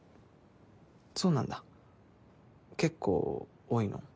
そうなんだ結構多いの？